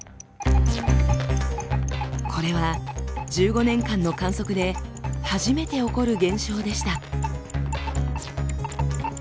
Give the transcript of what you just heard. これは１５年間の観測で初めて起こる現象でした。